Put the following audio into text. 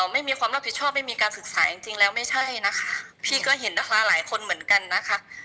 ไม่มีความรับผิดชอบไม่มีการศึกษาจริงจริงแล้วไม่ใช่นะคะพี่ก็เห็นนะคะหลายคนเหมือนกันนะคะ